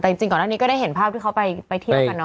แต่จริงก่อนหน้านี้ก็ได้เห็นภาพที่เขาไปเที่ยวกันเน